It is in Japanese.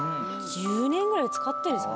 １０年ぐらい使ってるんですよ。